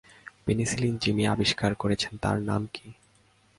Penicillin যিনি আবিষ্কার করেছেন, তাঁর নাম কি?